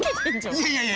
いやいやいや。